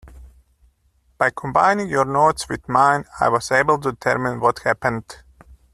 By combining your notes with mine, I was able to determine what happened.